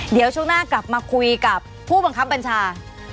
เดี๋ยวช่วงหน้ากลับมาคุยกับผู้บังคับบัญชา